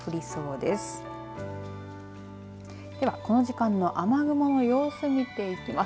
では、この時間の雨雲の様子見ていきます。